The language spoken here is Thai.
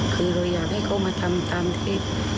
คือเราอยากให้เขามาทำตามที่